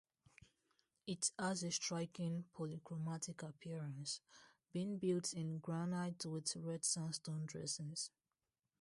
It has a striking polychromatic appearance, being built in granite with red sandstone dressings.